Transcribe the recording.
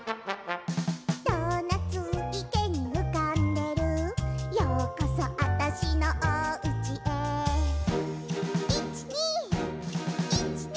「ドーナツ池にうかんでる」「ようこそあたしのおうちへ」いっちにいっちに！